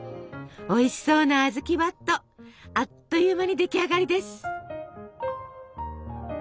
おいしそうなあずきばっとあっという間に出来上がりです。